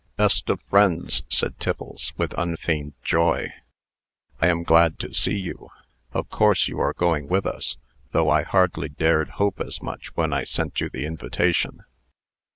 "Best of friends," said Tiffles, with unfeigned joy, "I am glad to see you. Of course you are going with us, though I hardly dared hope as much when I sent you the invitation."